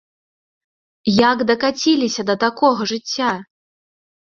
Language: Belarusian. Як дакаціліся да такога жыцця?